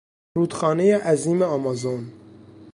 رودخانهی عظیم آمازون